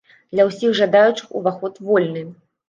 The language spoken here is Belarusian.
Для ўсіх жадаючых уваход вольны!